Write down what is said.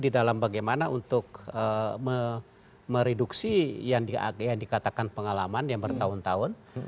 di dalam bagaimana untuk mereduksi yang dikatakan pengalaman yang bertahun tahun